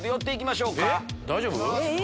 大丈夫？